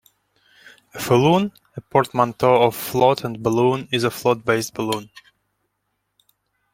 A falloon, a portmanteau of "float" and "balloon", is a float-based balloon.